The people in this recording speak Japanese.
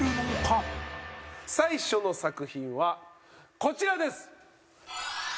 最初の作品はこちらです。